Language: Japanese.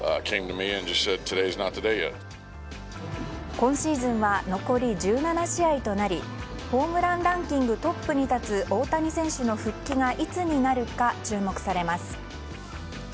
今シーズンは残り１７試合となりホームランランキングトップに立つ、大谷選手の復帰がいつになるか注目されます。